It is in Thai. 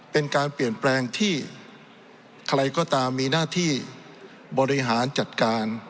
เป็นการเปลี่ยนแปลงที่ใครก็ตามมีหน้าที่บริหารจัดการ